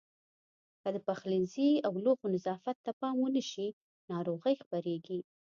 که د پخلنځي او لوښو نظافت ته پام ونه شي ناروغۍ خپرېږي.